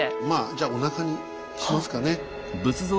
まあじゃおなかにしますかね。